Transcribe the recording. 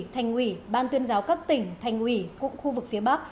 thành ủy ban tuyên giáo các tỉnh thành ủy cụng khu vực phía bắc